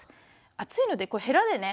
熱いのでへらでね